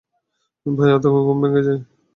ভয়ে আতঙ্কে ঘুম ভেঙ্গে যায়।